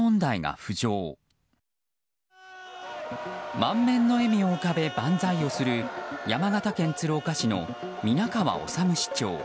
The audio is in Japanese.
満面の笑みを浮かべ万歳をする山形県鶴岡市の皆川治市長。